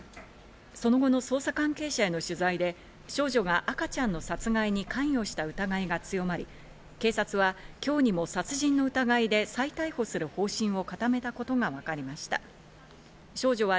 その後の捜査関係者への取材で少女が赤ちゃんの殺害に関与した疑いが強まり、警察は今日にも殺人の疑いで再逮捕する方針を固めたことがわかりました。